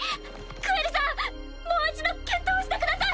グエルさんもう一度決闘してください！